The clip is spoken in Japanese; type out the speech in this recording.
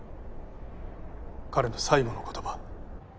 彼の最後の言葉。